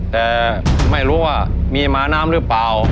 แต่ไม่รู้ว่ามีหมาน้ำหรือเปล่า